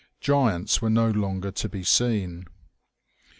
Giants were no longer to be seen.